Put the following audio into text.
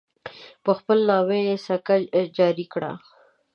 په خپل نامه یې سکه جاري کړه.